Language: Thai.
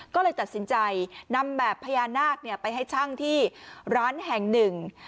ก็เลยตัดสินใจนำแบบพญานาคไปให้ช่างที่ร้านแห่งหนึ่ง